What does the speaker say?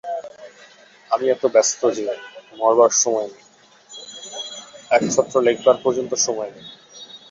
আমি এত ব্যস্ত যে মরবার সময় নেই, এক ছত্র লেখবার পর্যন্ত সময় নেই।